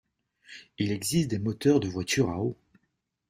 Il existe des moteurs de voiture à eau.